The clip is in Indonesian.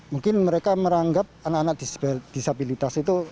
mungkin mereka meranggap anak anak disabilitas itu